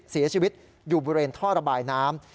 เสียชีวิตอยู่บริเวณท่อระบายน้ำ